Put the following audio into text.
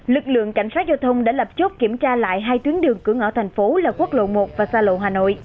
lực lượng cảnh sát giao thông đã lập chốt kiểm tra lại hai tuyến đường cửa ngõ thành phố là quốc lộ một và xa lộ hà nội